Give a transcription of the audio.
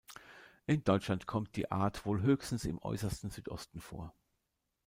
In Deutschland kommt die Art wohl höchstens im äußersten Südosten vor.